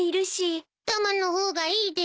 タマの方がいいです。